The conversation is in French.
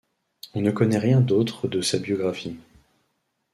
On ne connaît rien d’autre de sa biographie.